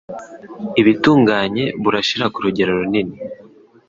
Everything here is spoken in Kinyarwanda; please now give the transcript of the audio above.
ibitunganye burashira ku rugero runini.